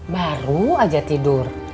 baru aja tidur